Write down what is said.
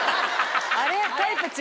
あれ？